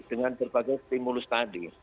dengan berbagai stimulus tadi